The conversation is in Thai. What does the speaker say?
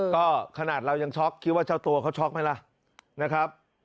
ก็ขนาดเรายังช็อกคิดว่าเจ้าตัวเขาช็อกไหมล่ะนะครับ